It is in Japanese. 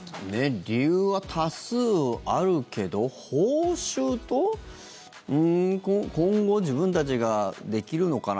理由は多数あるけど報酬と今後、自分たちができるのかな？